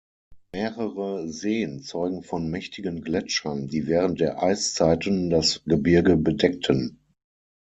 Mehrere Seen zeugen von mächtigen Gletschern, die während der Eiszeiten das Gebirge bedeckten.